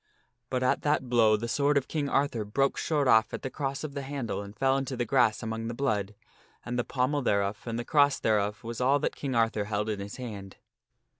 But at that blow the sword of King Arthur broke short off at the cross of the handle and fell into the grass among the blood, and the pommel thereof and the cross thereof was all that King Arthur held in his hand.